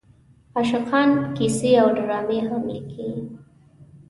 عاشقانه کیسې او ډرامې هم لیکل شوې.